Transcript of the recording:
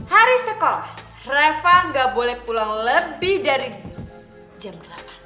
hari sekolah reva nggak boleh pulang lebih dari jam delapan